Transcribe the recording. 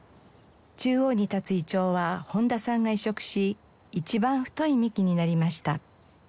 中央に立つイチョウは本多さんが移植し一番太い幹になりました。